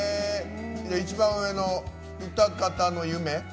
一番上の「泡沫の夢」。